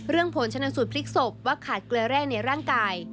ผลชนสูตรพลิกศพว่าขาดเกลือแร่ในร่างกาย